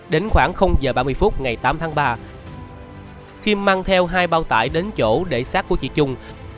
đến khoảng h ba mươi phút ngày tám tháng ba kim mang theo hai bao tải đến chỗ để xác của chị trung